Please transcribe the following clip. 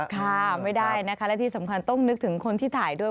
ค่ะไม่ได้นะคะและที่สำคัญต้องนึกถึงคนที่ถ่ายด้วย